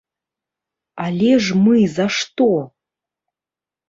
Але ж мы за што?